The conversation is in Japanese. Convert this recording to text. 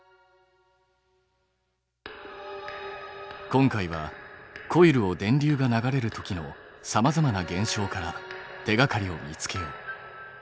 今回はコイルを電流が流れるときのさまざまな現象から手がかりを見つけよう。